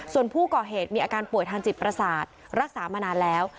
ส่วนผู้ก่อเหตุมีอาการป่วยทางจิตประสาทรักษามานานแล้ว